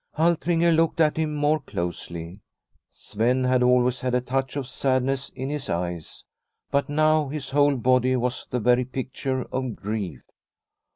Altringer looked at him more closely. Sven had always had a touch of sadness in his eyes, but now his whole body was the very picture of grief.